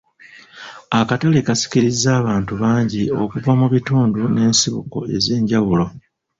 Akatale kasikiriza abantu bangi okuva mu bitundu n'esibuko ez'enjawulo